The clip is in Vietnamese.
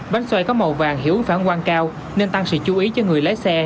bánh xoay có màu vàng hiểu phản quan cao nên tăng sự chú ý cho người lái xe